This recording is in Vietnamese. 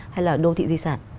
hay là đô thị di sản